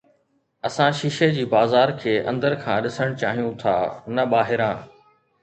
اسان شيشي جي بازار کي اندر کان ڏسڻ چاهيون ٿا نه ٻاهران